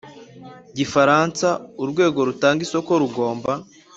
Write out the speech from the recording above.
Gifaransa urwego rutanga isoko rugomba